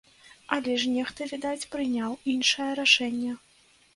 Але ж нехта, відаць, прыняў іншае рашэнне.